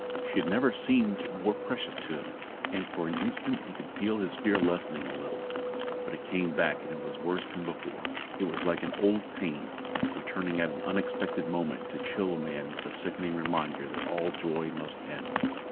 She had never seemed more precious to him and for an instant he could feel his fear lessening a little. But it came back and was worse than before. It was like an old pain returning at an unexpected moment to chill a man with the sickening reminder that all joy must end.